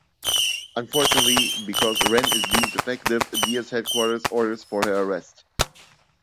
Unfortunately, because Ren is deemed defective, DearS headquarters orders for her arrest.